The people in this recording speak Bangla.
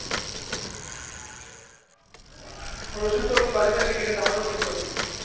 রোশনচৌকি বাজাতে শিখি নি, তা হলে ধরতুম।